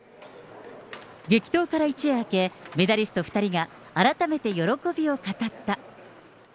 激闘から一夜明け、メダリスト２人が改めて喜びを語った。